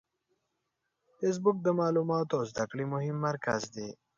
فېسبوک د معلوماتو او زده کړې مهم مرکز دی